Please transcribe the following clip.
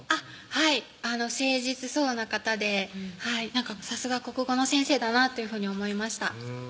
はい誠実そうな方でさすが国語の先生だなっていうふうに思いました